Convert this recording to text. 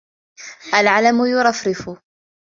العلم يرفرف.